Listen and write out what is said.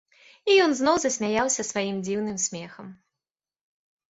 І ён зноў засмяяўся сваім дзіўным смехам.